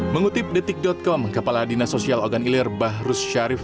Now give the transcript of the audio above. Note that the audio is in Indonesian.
mengutip detik com kepala dinas sosial ogan ilir bahrus syarif